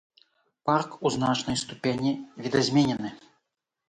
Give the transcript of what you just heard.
Парк у значнай ступені відазменены.